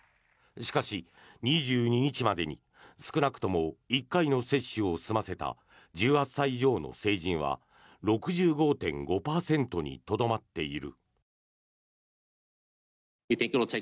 しかし、２２日までに少なくとも１回の接種を済ませた１８歳以上の成人は６５．５％にとどまっている。